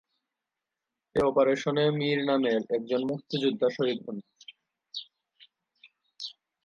এ অপারেশনে মীর নামের একজন মুক্তিযোদ্ধা শহীদ হন।